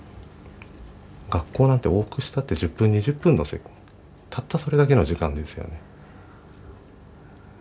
学校なんて往復したって１０分２０分たったそれだけの時間ですよね。